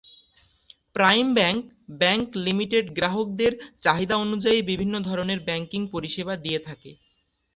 Prime Bank bank limited গ্রাহকদের চাহিদা অনুযায়ী বিভিন্ন ধরনের ব্যাংকিং পরিসেবা দিয়ে থাকে।